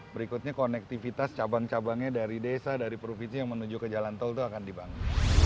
berikutnya konektivitas cabang cabangnya dari desa dari provinsi yang menuju ke jalan tol itu akan dibangun